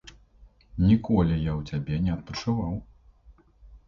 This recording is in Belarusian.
Ніколі я ў цябе не адпачываў.